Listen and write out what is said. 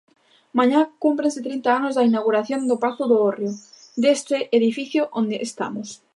Mañá cúmprense trinta anos da inauguración do pazo do Hórreo, deste edificio onde estamos.